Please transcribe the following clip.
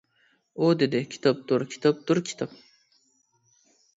ئۇ دېدى : كىتابتۇر، كىتابتۇر، كىتاب.